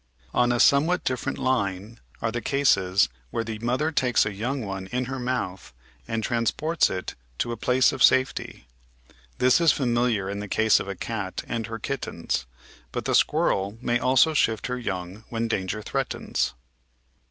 On a somewhat different line are the cases where the mother takes a young one in her mouth and transports it to a place of safety. This is familiar in the case of a cat and her kittens, but the squirrel may also shift her young when danger threatens.